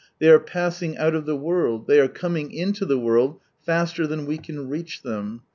They are pa 'sing out of the world, Ihey are coming into the world faster than we can reach them.